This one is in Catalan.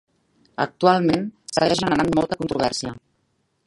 Actualment, segueix generant molta controvèrsia.